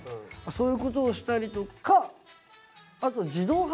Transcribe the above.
そういうことをしたりとか！